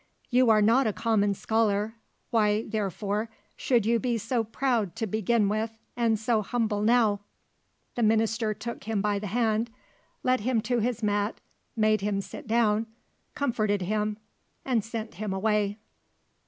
You are not a common scholar, why, therefore, should you be so proud to begin with and so humble now?" The Minister took him by the hand, led him to his mat, made him sit down, comforted him and sent him away.